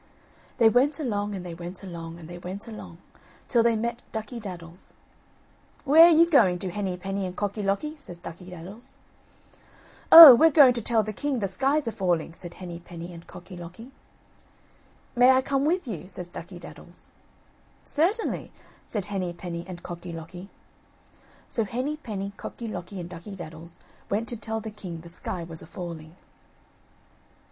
They went along, and they went along, and they went along, till they met Ducky daddles. "Where are you going to, Henny penny and Cocky locky?" says Ducky daddles. "Oh! we're going to tell the king the sky's a falling," said Henny penny and Cocky locky. "May I come with you?" says Ducky daddles. "Certainly," said Henny penny and Cocky locky. So Henny penny, Cocky locky and Ducky daddles went to tell the king the sky was a falling.